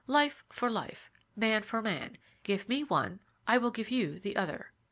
Life for life, man for man; give me one, I will give you the other."